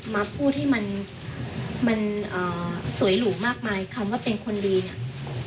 มาพูดให้มันสวยหรูมากมายคำว่าเป็นคนดีเนี่ย